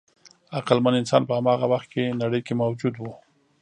عقلمن انسان په هماغه وخت کې نړۍ کې موجود و.